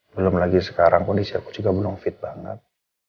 belum lagi sekarang kondisi aku juga belum fit banget